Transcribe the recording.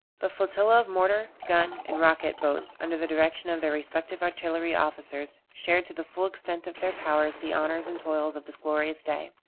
The flotilla of mortar, gun, and rocket boats, under the direction of their respective artillery officers, shared to the full extent of their powers the honors and toils of this glorious day.